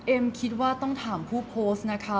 คิดว่าต้องถามผู้โพสต์นะคะ